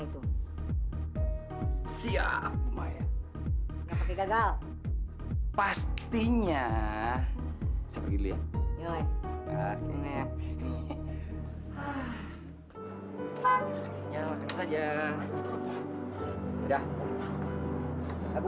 itu juga kalo randi itu